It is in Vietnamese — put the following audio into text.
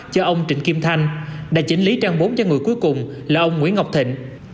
cho ông trịnh kim thanh đại chính lý trang bốn cho người cuối cùng là ông nguyễn ngọc thịnh